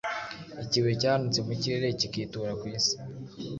ikibuye cyahanutse mu kirere kikitura ku isi